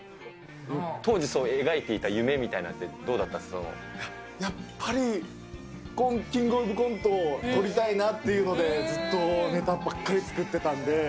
当時、描いていた夢みたいなやっぱり、キングオブコントをとりたいなっていうので、ずっとネタばっかり作ってたんで。